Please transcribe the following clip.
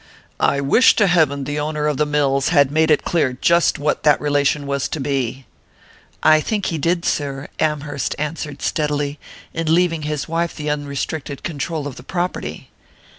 "I wish to heaven the owner of the mills had made it clear just what that relation was to be!" "I think he did, sir," Amherst answered steadily, "in leaving his wife the unrestricted control of the property."